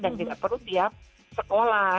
dan tidak perlu tiap sekolah